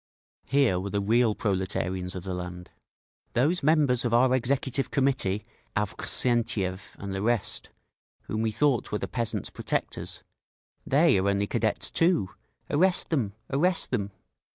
Here were the real proletarians of the land…. "Those members of our Executive Committee, Avksentiev and the rest, whom we thought were the peasants' protectors—they are only Cadets too! Arrest them! Arrest them!"